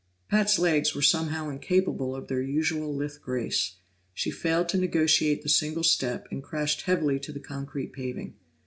Pat's legs were somehow incapable of their usual lithe grace; she failed to negotiate the single step, and crashed heavily to the concrete paving.